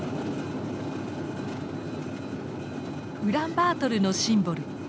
ウランバートルのシンボル